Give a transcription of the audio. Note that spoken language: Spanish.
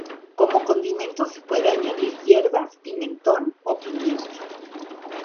Como condimento se puede añadir hierbas, pimentón o pimienta.